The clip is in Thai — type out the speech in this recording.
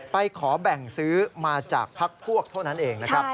ไปขอแบ่งซื้อมาจากพักพวกเท่านั้นเองนะครับ